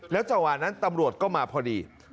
แล้วจังหวัดนั้นตำรวจก็มาพอดี